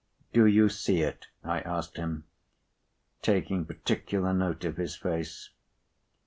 "Do you see it?" I asked him, taking particular note of his face.